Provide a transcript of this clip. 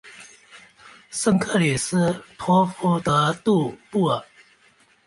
圣克里斯托夫德杜布尔。